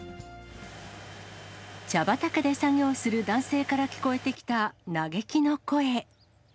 茶畑で作業する男性から聞こえてきた嘆きの声。